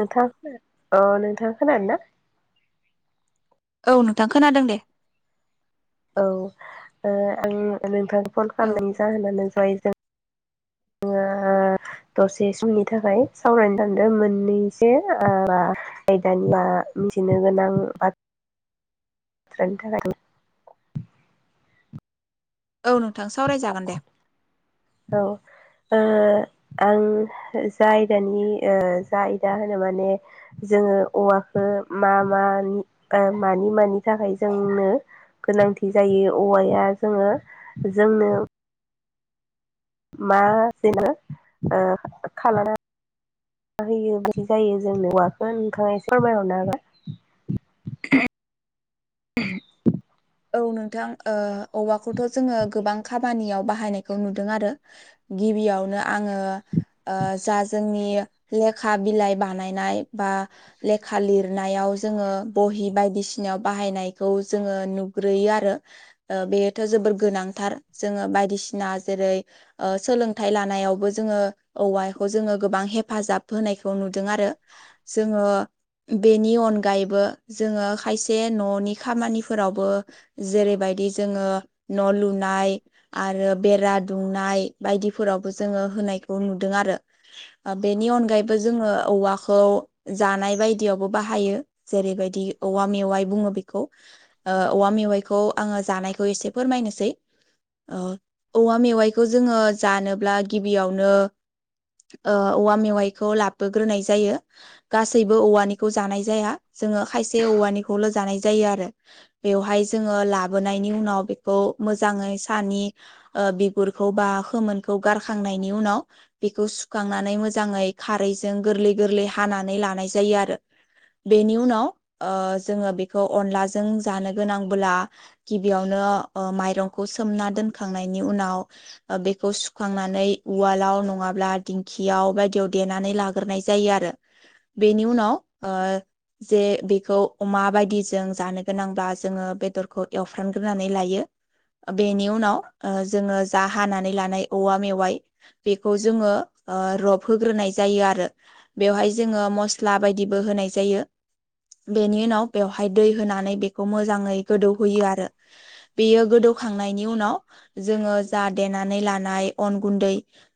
नोंथां अ नोंथां खोनादोंना? औ नोंथां खोनादों दे औ आं ओ नोंथांखौ फन औ खालामनायनि जाहोनानो जाय जों [unintelligible] जोङो ओ दसे समनि थाखाय सावरायनो थांदों मोननैसो ओ दानिया [unintelligible] मिथिनो गोनां बाथ थ्रानि थाखाय [unintelligible] औ नोंथां सावरायजागोन दे औ ओ आं जा आयदानि जा आयदा होनो माने जोङो औवाखौ मा मानि मानि मानि थाखाय जोंनो गोनांथि जायो औवाया जोङो जोंनो मा जेनेबा ओ खालामानानै मा होयो बिदि जायो जोंनो औवाखौ नोंथाङा सोरमायहरनो हागोन [unintelligible] [inaudible] औ नोंथां ओ औवाखौथ' जोङो गोबां खामानियाव बाहायनायखौ नुदों आरो गिबियावनो आङो जा जोंनि लेखा बिलाइ बानायनाय बा बा लेखा लिरनायाव जोङो बहि बायदिसिनायाव बाहायनायखौ जोङो ग्रोयो आरो ओ बेथ' जोबोर गोनांथार जो बायदिसिना जेरै ओ सोलोंथाइ लानायावबो जोङो औवाखौ जोङो गोबां हेफाजाब होनायखौ नुदों आरो जोङो बेनि अनगायैबो जोङो खायसे न'नि खामानिफोरावबो जेरैबायदि जोङो न' लुनाय आरो बेरा दुंनाय बायदि फोरावबो जोङो होनायखौ नुदों आरो बेनि अनगायैबो जोङो औवाखौ जानाय बायदियावबो बाहायो जेरैबायदि औवा मेवाइ बुङो बेखौ ओ औवा मेवाइखौ आङो जानायखौ एसे फोरमायनोसै ओ औवा मेवाइखौ जोङो जानोब्ला गिबियावनो ओ औवा मेवाइखौ लाबोग्रोनाय जायो गासैबो औवानिखौ जानाय जाया जोङो खायसे औवानिखौल'जानाय जायो आरो बेवहाय जोङो लाबोनायनि उनाव बेखौ मोजाङै सानि ओ बिगुरखौ बा बा खोमोनखौ गारखांनायनि उनाव बेखौ सुखांनानै मोजाङै खारैजों गोरलै गोरलै हा हानानै लानाय जायो आरो बेनि ओ जोङो बेखौ अनलाजों जानो गोनांबोला गिबियावनो ओ माइरंखौ सोमना दोनखांनायनि उनाव बेखौ सुखांनानै उवालाव नङाब्ला दिंखियाव बायदियाव देनानै लाग्रोनाय जायो आरो बेनि उनाव ओ जे बेखौ अमा बायदिजों जानो गोनांब्ला जोङो बेदरखौ एवफ्रानग्रोनानै लायो बेनि उनाव ओ जोङो जा हानानै लानाय औवा मेवाइ बेखौ जोङो ओ रब होग्रोनाय जायो आरो बेवहाय जोङो मस्ला बायदिबो होनाय जायो बेनि उनाव बेवहाय दै होनानै बेखौ मोजाङै गोदौ होयो आरो बेयो गोदौखांनायनि उनाव जोङो जा दे देनानै लानाय अन गुन्दै